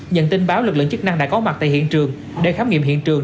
nhận tin báo lực lượng chức năng đã có mặt tại hiện trường để khám nghiệm hiện trường